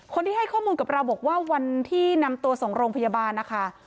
คนที่ให้ข้อมูลกับเราบอกว่าวันที่นำตัวส่งโรงพยาบาลนะคะ